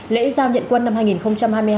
lễ giao nhận quân năm hai nghìn hai mươi hai